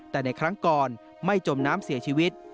แต่ในครั้งก่อนไม่จมน้ำเสียชีวิต